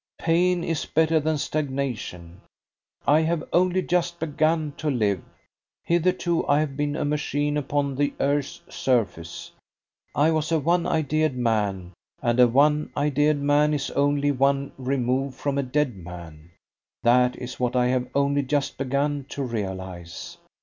Pain is better than stagnation. I have only just begun to live. Hitherto I have been a machine upon the earth's surface. I was a one ideaed man, and a one ideaed man is only one remove from a dead man. That is what I have only just begun to realise.